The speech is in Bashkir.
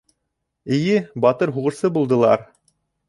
Эйе, батыр һуғышсы булдылар.